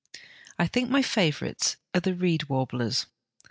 I think my favourites are the reed warblers.